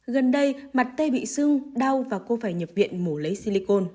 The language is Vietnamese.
gần đây mặt tây bị sưng đau và cô phải nhập viện mổ lấy silicon